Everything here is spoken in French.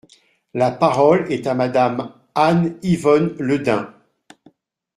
La parole est à Madame Anne-Yvonne Le Dain.